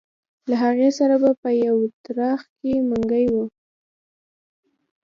له هغې سره به په یو ترخ کې منګی و.